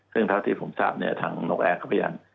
ซึ่งที่ผมทราบทางนกแอร์เขาพยายาม